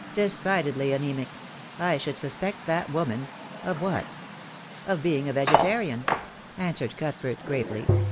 "Decidedly anaemic. I should suspect that woman " "Of what?" "Of being a vegetarian," answered Cuthbert gravely.